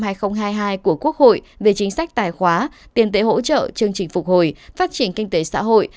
các nghị quyết số bốn mươi ba hai nghìn hai mươi hai của quốc hội về chính sách tài khóa tiền tệ hỗ trợ chương trình phục hồi phát triển kinh tế xã hội